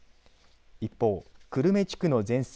一方、久留米地区の全線